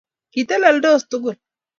Kiteleldosi tugul